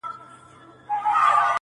پېغلي څنگه د واده سندري وايي!.